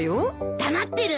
黙ってる。